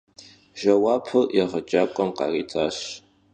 Jjeuapır yêğecak'uem kharitaş.